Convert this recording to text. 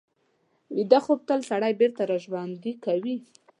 ویده خوب تل سړی بېرته راژوندي کوي